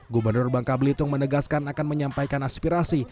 gubernur bangka belitung menegaskan akan menyampaikan aspirasi